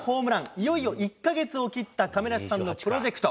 いよいよ１か月を切った亀梨さんのプロジェクト。